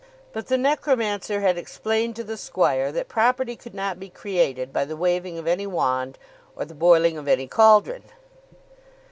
But the necromancer had explained to the squire that property could not be created by the waving of any wand or the boiling of any cauldron.